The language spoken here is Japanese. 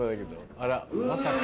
あらまさか。